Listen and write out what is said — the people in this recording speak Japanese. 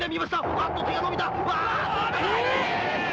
「あっと手が伸びた。わ！」